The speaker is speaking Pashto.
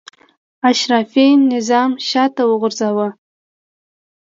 اشرافي نظام شاته وغورځاوه.